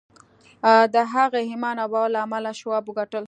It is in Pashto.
د هغه ایمان او باور له امله شواب وګټل